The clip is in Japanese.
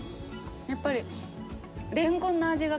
やっぱり。